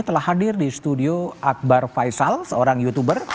telah hadir di studio akbar faisal seorang youtuber